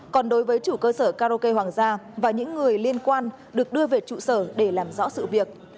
còn đối với chủ cơ sở karaoke hoàng gia và những người liên quan được đưa về trụ sở để làm rõ sự việc